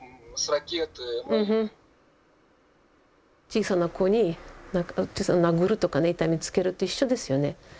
小さな子に殴るとか痛めつけると一緒ですよね。